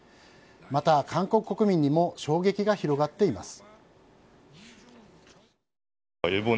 また、韓国国民にも衝撃が広がっています。